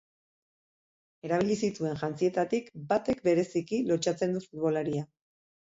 Erabili zituen jantzietatik batek bereziki lotsatzen du futbolaria.